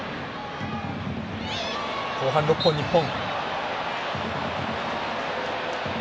後半６本、日本。